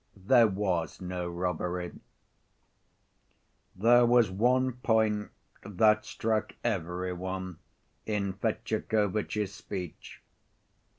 There Was No Robbery There was one point that struck every one in Fetyukovitch's speech.